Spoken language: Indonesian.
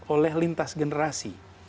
oleh lintas generasi